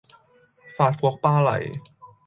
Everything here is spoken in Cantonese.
法國巴黎